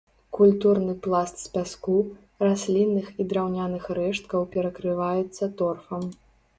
Культурны пласт з пяску, раслінных і драўняных рэшткаў перакрываецца торфам.